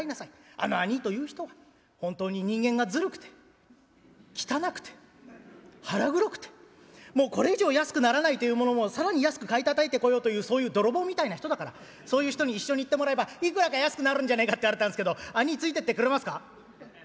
あの兄ぃという人は本当に人間がずるくて汚くて腹黒くてもうこれ以上安くならないというものも更に安く買いたたいてこようというそういう泥棒みたいな人だからそういう人に一緒に行ってもらえばいくらか安くなるんじゃないか』って言われたんですけど兄ぃついていってくれますか？」。